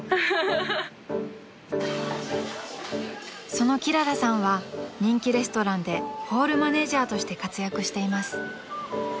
［そのきららさんは人気レストランでホールマネジャーとして活躍しています］